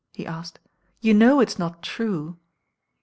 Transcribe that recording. he asked. "You Know It s not true."